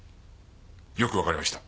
よくわかりました。